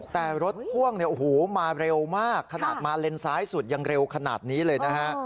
แต่รถพ่วงเนี่ยโอ้โหมาเร็วมากขนาดมาเลนซ้ายสุดยังเร็วขนาดนี้เลยนะฮะ